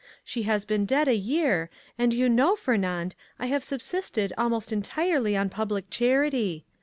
She has been dead a year, and you know, Fernand, I have subsisted almost entirely on public charity.